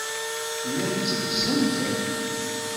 Llan tteggzen-ken.